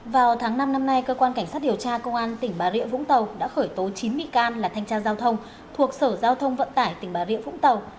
vào tháng năm năm nay cơ quan cảnh sát điều tra công an tỉnh bà rịa vũng tàu đã khởi tố chín bị can là thanh tra giao thông thuộc sở giao thông vận tải tỉnh bà rịa vũng tàu